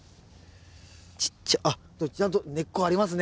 ちっちゃあちゃんと根っこありますね